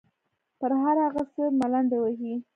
پر هر هغه څه ملنډې وهي.